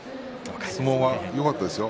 相撲はよかったですよ。